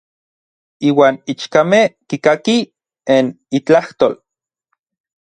Iuan ichkamej kikakij n itlajtol.